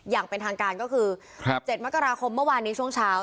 อย่างเป็นทางการก็คือ๗มกราคมเมื่อวานนี้ช่วงเช้า